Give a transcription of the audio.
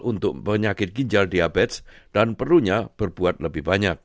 untuk penyakit ginjal diabetes dan perlunya berbuat lebih banyak